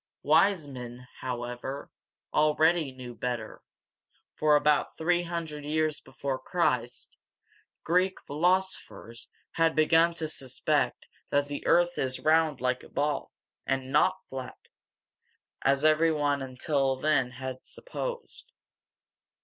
Wise men, however, already knew better; for, about three hundred years before Christ, Greek philosophers had begun to suspect that the earth is round like a ball, and not flat, as every one until then had supposed.